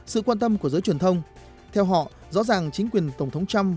sự quan tâm của giới truyền thông theo họ rõ ràng chính quyền tổng thống trump